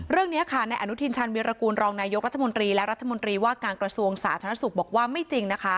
เรื่องนี้ค่ะในอนุทินชาญวิรากูลรองนายกรัฐมนตรีและรัฐมนตรีว่าการกระทรวงสาธารณสุขบอกว่าไม่จริงนะคะ